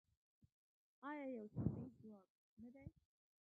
آیا یو سیمه ییز ځواک نه دی؟